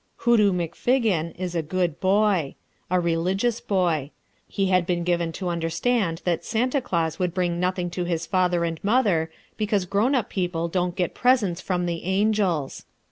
Hoodoo McFiggin is a good boy a religious boy. He had been given to understand that Santa Claus would bring nothing to his father and mother because grown up people don't get presents from the angels.